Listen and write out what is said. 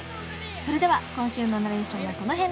それでは今週のナレーションはこの辺で